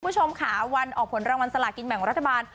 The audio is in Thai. คุณผู้ชมค่ะวันออกผลรางวัลสลากินแบ่งรัฐบาล